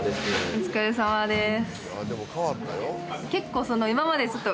お疲れさまです